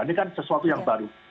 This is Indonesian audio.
ini kan sesuatu yang baru